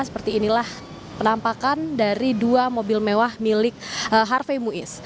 seperti inilah penampakan dari dua mobil mewah milik harvey muiz